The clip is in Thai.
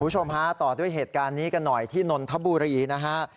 คุณผู้ชมฮะต่อด้วยเหตุการณ์นี้กันหน่อยที่นนทบุรีนะฮะ